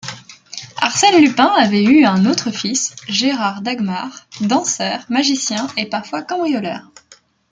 Arsène Lupin avait eu un autre fils, Gérard Dagmar, danseur, magicien et parfois cambrioleur.